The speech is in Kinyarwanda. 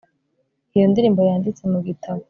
iyo ndirimbo yanditse mu gitabo